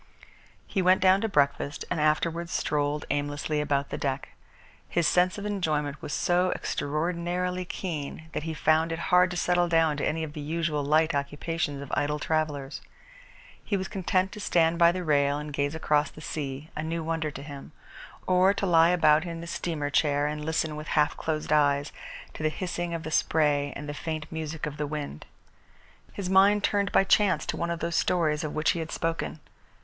He went down to breakfast and afterwards strolled aimlessly about the deck. His sense of enjoyment was so extraordinarily keen that he found it hard to settle down to any of the usual light occupations of idle travellers. He was content to stand by the rail and gaze across the sea, a new wonder to him; or to lie about in his steamer chair and listen, with half closed eyes, to the hissing of the spray and the faint music of the wind. His mind turned by chance to one of those stories of which he had spoken.